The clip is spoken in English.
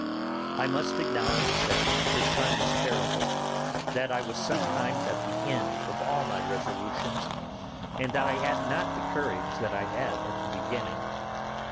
I must acknowledge that this time was terrible, that I was sometimes at the end of all my resolutions, and that I had not the courage that I had at the beginning.